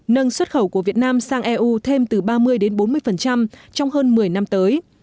nâng xuất khẩu của việt nam sang eu thêm từ ba mươi bốn mươi trong hơn một mươi năm tới